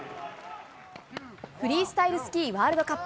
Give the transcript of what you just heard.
フリースタイルスキーワールドカップ。